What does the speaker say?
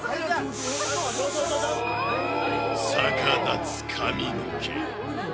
逆立つ髪の毛。